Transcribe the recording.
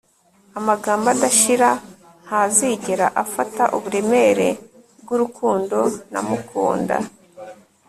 Amagambo adashira ntazigera afata uburemere bwurukundo namukunda